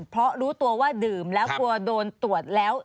เพราะรู้ตัวว่าดื่มแล้วกลัวโดนตรวจแล้ว